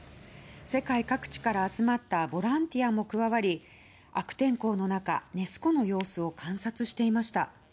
世界各地から集まったボランティアも加わり悪天候の中、ネス湖の様子を観察していました。